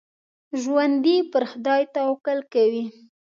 ژوندي پر خدای توکل کوي